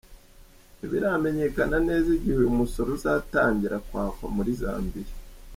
Ntibiramenyekana neza igihe uyu musoro uzatangira kwakwa muri Zambia.